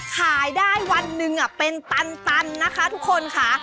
ขายได้วันหนึ่งเป็นตันนะคะทุกคนค่ะ